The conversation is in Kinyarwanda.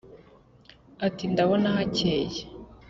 ati: ndabona hakeye